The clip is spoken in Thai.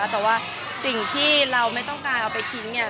แต่ว่าสิ่งที่เราไม่ต้องการเอาไปทิ้งเนี่ย